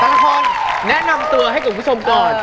ทั้งคนแนะนำตัวให้กลุ่มผู้ชมก่อน